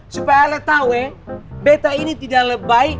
supaya lo tau ya beta ini tidak lebay